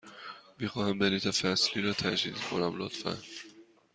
می خواهم بلیط فصلی را تجدید کنم، لطفاً.